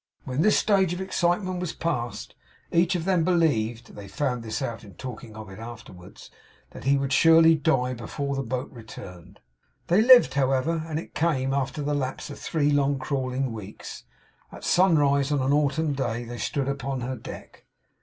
When this stage of excitement was passed, each of them believed (they found this out, in talking of it afterwards) that he would surely die before the boat returned. They lived, however, and it came, after the lapse of three long crawling weeks. At sunrise, on an autumn day, they stood upon her deck.